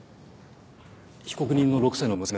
被告人の６歳の娘さん